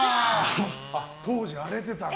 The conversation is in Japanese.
当時、荒れてたんだ。